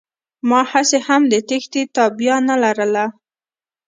ما هسې هم د تېښتې تابيا نه لرله.